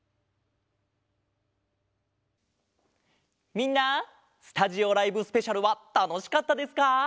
みんなスタジオライブスペシャルはたのしかったですか？